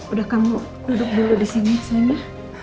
udah kamu duduk dulu disini sayangnya